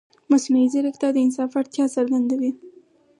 مصنوعي ځیرکتیا د انصاف اړتیا څرګندوي.